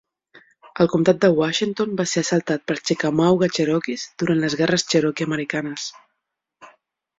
El comtat de Washington va ser assaltat pels chickamauga cherokees durant les guerres cherokee-americanes.